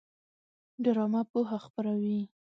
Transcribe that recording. ډرامه پوهه خپروي